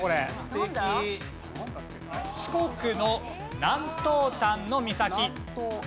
四国の南東端の岬。